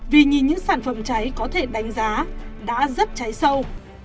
vì nhìn những sản phẩm cháy có thể đánh giá đã rất cháy sâu